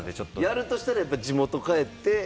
やるとしたら地元帰って。